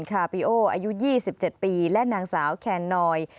คาร์พี่โออายุยี่สิบเจ็ดปีและหนังสาวแคร์นหนอย